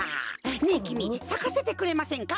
ねえきみさかせてくれませんか？